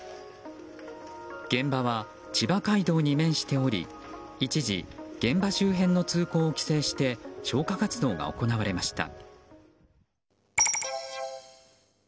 現場は千葉街道に面しており一時、現場周辺の通行を規制して消火活動が行われました。